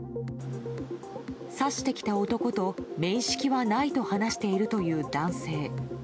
刺してきた男と面識はないと話しているという男性。